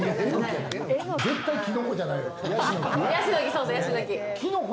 絶対キノコじゃないよ。